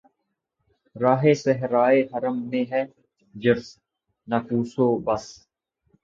راہِ صحرائے حرم میں ہے جرس‘ ناقوس و بس